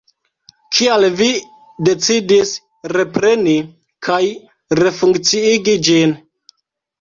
Kial vi decidis repreni kaj refunkciigi ĝin?